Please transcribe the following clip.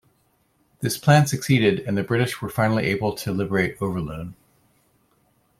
This plan succeeded, and the British were finally able to liberate Overloon.